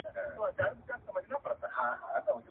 پښتانه به د خپل وطن دفاع کوي.